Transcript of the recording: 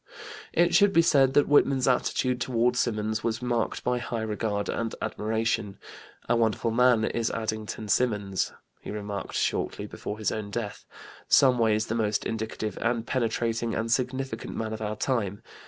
It should be said that Whitman's attitude toward Symonds was marked by high regard and admiration. "A wonderful man is Addington Symonds," he remarked shortly before his own death; "some ways the most indicative and penetrating and significant man of our time.